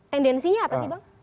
tendensinya apa sih bang